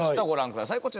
ご覧ください